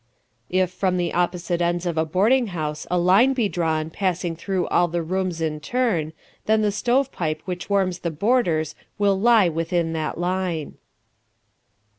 If from the opposite ends of a boarding house a line be drawn passing through all the rooms in turn, then the stovepipe which warms the boarders will lie within that line.